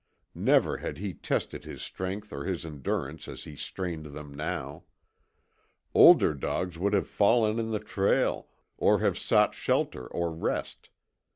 Never had he tested his strength or his endurance as he strained them now. Older dogs would have fallen in the trail or have sought shelter or rest.